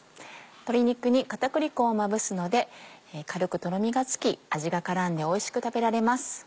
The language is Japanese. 鶏肉に片栗粉をまぶすので軽くとろみがつき味が絡んでおいしく食べられます。